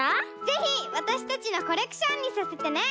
ぜひわたしたちのコレクションにさせてね！